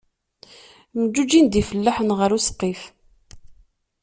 Mǧuǧǧin-d ifellaḥen ɣer usqif.